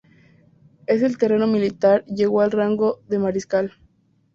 En el terreno militar llegó al rango de mariscal.